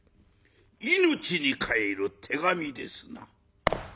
命に代える手紙ですな。